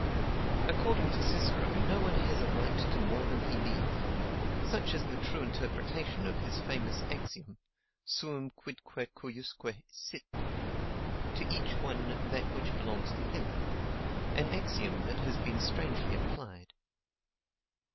According to Cicero, no one has a right to more than he needs: such is the true interpretation of his famous axiom suum quidque cujusque sit, to each one that which belongs to him an axiom that has been strangely applied.